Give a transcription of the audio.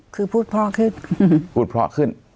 คือพูดเพราะขึ้น